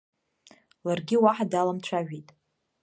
Ларгьы уаҳа даламцәажәеит.